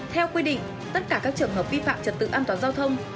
theo quy định tất cả các trường hợp vi phạm trật tự an toàn giao thông